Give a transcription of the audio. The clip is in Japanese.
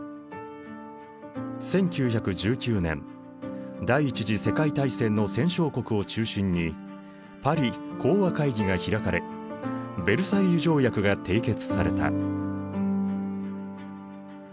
１９１９年第一次世界大戦の戦勝国を中心にパリ講和会議が開かれヴェルサイユ条約が締結された。